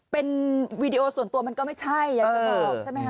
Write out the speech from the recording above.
เป็นวีดีโอส่วนตัวมันก็ไม่ใช่อยากจะบอกใช่ไหมคะ